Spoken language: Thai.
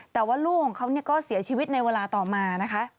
แต่ว่าลูกของเขาก็เสียชีวิตในเวลาต่อมานะคะ